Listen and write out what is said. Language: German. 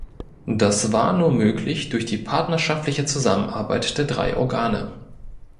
Das war nur möglich durch die partnerschaftliche Zusammenarbeit der drei Organe.